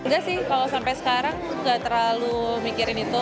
gak sih kalau sampai sekarang nggak terlalu mikirin itu